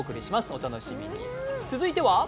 お楽しみに。